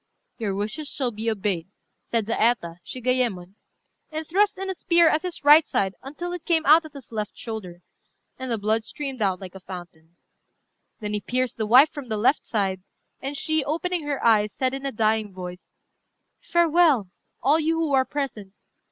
"Your wishes shall be obeyed," said the Eta, Shigayémon, and thrust in a spear at his right side until it came out at his left shoulder, and the blood streamed out like a fountain. Then he pierced the wife from the left side; and she, opening her eyes, said in a dying voice "Farewell, all you who are present.